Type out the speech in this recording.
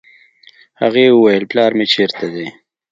هغې وويل پلار مې چېرته دی.